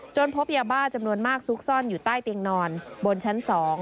พบยาบ้าจำนวนมากซุกซ่อนอยู่ใต้เตียงนอนบนชั้น๒